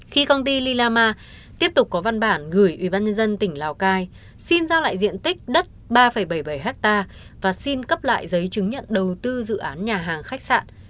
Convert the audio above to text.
khi công ty lillama tiếp tục có văn bản gửi ủy ban nhân dân tỉnh lào cai xin giao lại diện tích đất ba bảy mươi bảy ha và xin cấp lại giấy chứng nhận đầu tư dự án nhà hàng khách sạn